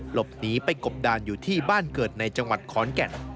หลบหนีไปกบดานอยู่ที่บ้านเกิดในจังหวัดขอนแก่น